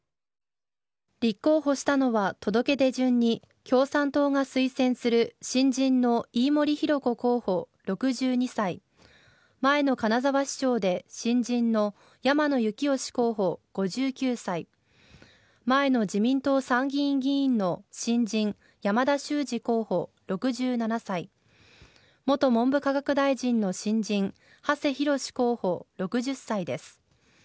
立候補したのは届け出順に共産党が推薦する新人の飯森博子候補、６２歳前の金沢市長で新人の山野之義候補、５９歳前の自民党参議院議員の新人・山田修路候補、６７歳元文部科学大臣の新人馳浩候補、６０歳です。